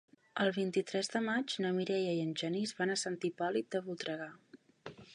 El vint-i-tres de maig na Mireia i en Genís van a Sant Hipòlit de Voltregà.